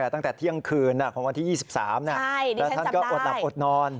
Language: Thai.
ตั้งแต่เที่ยงคืนของวันที่๒๓แล้วท่านก็อดหลับอดนอน